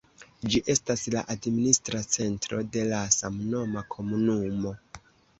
Ĝi estas la administra centro de la samnoma komunumo.